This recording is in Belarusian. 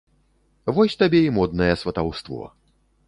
Вось табе і моднае сватаўство.